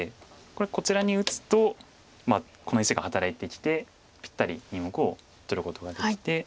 これこちらに打つとこの石が働いてきてぴったり２目を取ることができて。